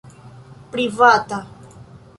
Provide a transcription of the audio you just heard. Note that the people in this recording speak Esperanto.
privata